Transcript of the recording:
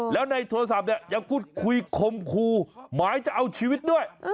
แล้วในโทรศัพท์เนี่ยยังพูดคุยคมครูหมายจะเอาชีวิตด้วย